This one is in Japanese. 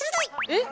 えっ。